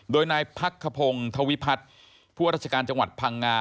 โดยนายพักขพงศ์ธวิพัฒน์ผู้ราชการจังหวัดพังงา